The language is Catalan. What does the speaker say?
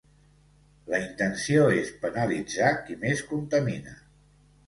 La intenció és penalitzar qui més contamina.